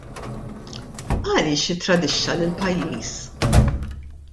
Għaliex ittradixxa lill-pajjiż?